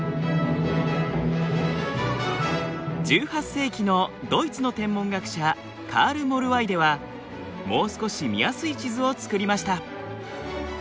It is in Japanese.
１８世紀のドイツの天文学者カール・モルワイデはもう少し見やすい地図を作りました。